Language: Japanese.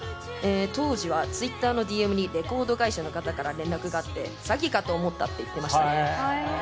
当時はＴｗｉｔｔｅｒのＤＭにレコード会社の方から連絡があって詐欺かと思ったって言ってました。